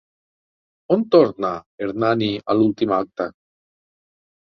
On torna Hernani a l'últim acte?